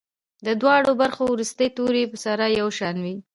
د دواړو برخو وروستي توري سره یو شان وي.